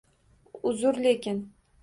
Uzr lekin.